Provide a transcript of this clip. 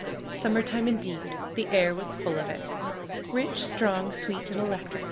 Summer time indeed ! The air was full of it ! Rich, strong, sweet and electric